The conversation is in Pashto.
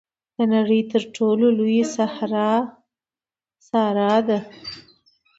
د نړۍ تر ټولو لویه صحرا سهارا ده.